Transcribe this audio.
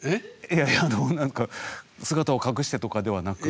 いやいやあの何か姿を隠してとかではなく？